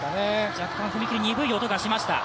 若干、踏み切り鈍い音がしました。